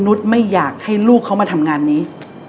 นุษย์ไม่อยากให้ลูกเขามาทำงานนี้